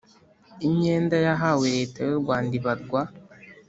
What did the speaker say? imyenda yahawe Leta y u Rwanda ibarwa